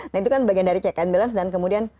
nah itu kan bagian dari check and balance dan kemudian